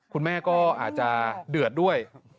คุณแม่ก็อาจจะเดือดด้วย